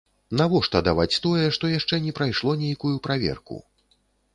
Навошта даваць тое, што яшчэ не прайшло нейкую праверку?